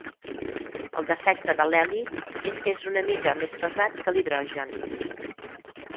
El defecte de l'heli és que és una mica més pesat que l'hidrogen.